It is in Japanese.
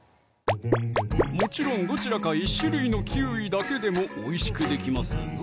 もちろんどちらか１種類のキウイだけでもおいしくできますぞ！